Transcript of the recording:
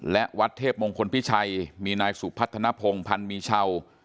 และวัดเทพมงคลพิชัยมีนายสุพัฒนภงพันธ์มีเช่า